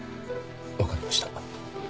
わかりました。